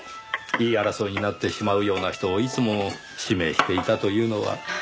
言い争いになってしまうような人をいつも指名していたというのは。